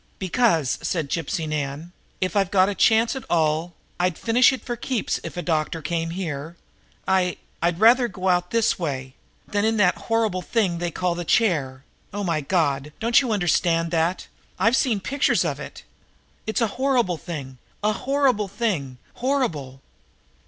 "Because," said Gypsy Nan, "if I've got a chance at all, I'd finish it for keeps if a doctor came here. I I'd rather go out this way than in that horrible thing they call the 'chair.' Oh, my God, don't you understand that! I've seen pictures of it! It's a horrible thing a horrible thing horrible!"